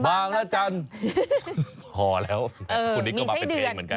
พอแล้วคุณนิกก็มาเป็นเพลงเหมือนกัน